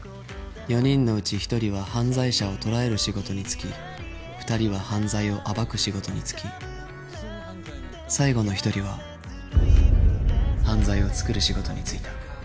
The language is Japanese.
４人のうち１人は犯罪者を捕らえる仕事に就き２人は犯罪を暴く仕事に就き最後の１人は犯罪を作る仕事に就いた。